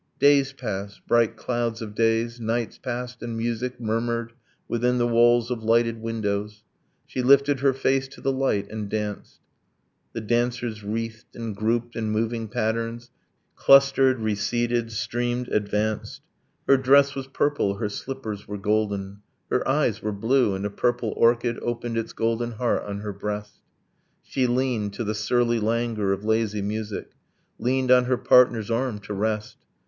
Days passed, bright clouds of days. Nights passed. And music Murmured within the walls of lighted windows. She lifted her face to the light and danced. The dancers wreathed and grouped in moving patterns, Clustered, receded, streamed, advanced. Her dress was purple, her slippers were golden, Her eyes were blue; and a purple orchid Opened its golden heart on her breast ... She leaned to the surly languor of lazy music, Leaned on her partner's arm to rest.